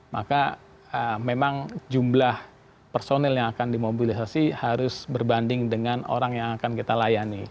maka memang jumlah personil yang akan dimobilisasi harus berbanding dengan orang yang akan kita layani